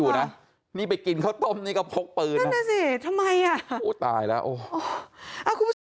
คุณผู้ชมคุณผู้ชม